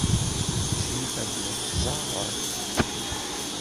Crifa tella tzeɛɛeḍ.